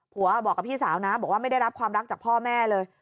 บอกกับพี่สาวนะบอกว่าไม่ได้รับความรักจากพ่อแม่เลย